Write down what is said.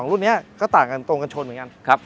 รุ่นนี้ก็ต่างกันตรงกันชนเหมือนกัน